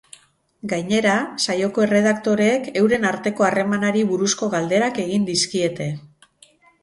Gainera, saioko erredaktoreek euren arteko harremanari buruzko galderak egin dizkiete.